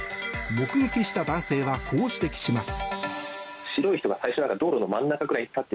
目撃した男性はこう指摘します。